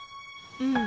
うん。